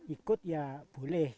ikut ya boleh